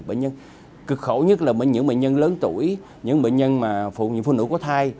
bệnh nhân cực khổ nhất là những bệnh nhân lớn tuổi những bệnh nhân phụ nữ có thai